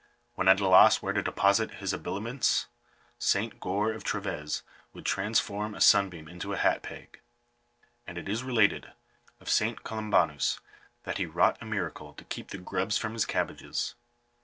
When at a loss where to deposit his habiliments, St Goar, of Treves, would transform a sunbeam into a hat peg. •And it is related of St. Golumbanus that he wrought a miracle to keep the grubs from his cabbages!